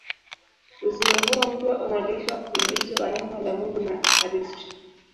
Uzima huo mpya unalishwa mfululizo na Neno la Mungu na ekaristi.